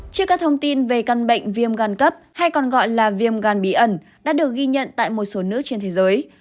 trước các thông tin về căn bệnh viêm gan cấp hay còn gọi là viêm gan bí ẩn đã được ghi nhận tại một số nước trên thế giới